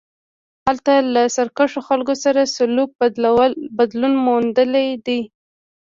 هلته له سرکښو خلکو سره سلوک بدلون موندلی دی.